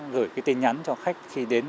gửi tin nhắn cho khách khi đến